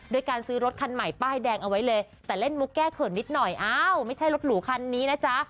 การซื้อรถคันใหม่ป้ายแดงเอาไว้เลยแต่เล่นมุกแก้เขินนิดหน่อยอ้าวไม่ใช่รถหรูคันนี้นะจ๊ะ